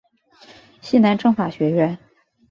西南政法学院。